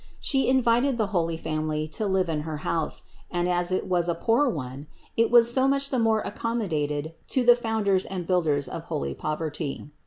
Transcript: She invited the holy Family to live in her house; and as it was a poor one, it was so much the more accommodated to the Founders and Builders of holy poverty.